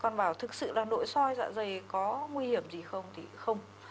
con bảo thực sự là nội soi dạ dày có nguy hiểm gì không thì không